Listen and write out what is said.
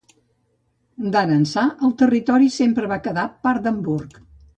D'ara ençà, el territori sempre va quedar part d'Hamburg.